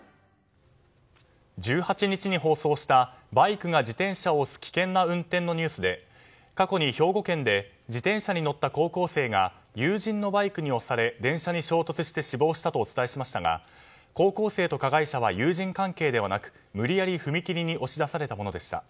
１８日に放送したバイクが自転車を押す危険な運転のニュースで過去に兵庫県で自転車に乗った高校生が友人のバイクに押され電車に衝突し死亡したとお伝えしましたが高校生と加害者は友人関係ではなく無理やり踏切に押し出されたものでした。